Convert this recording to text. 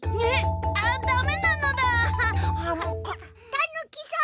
たぬきさん！